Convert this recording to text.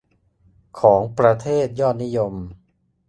ของประเทศยอดนิยม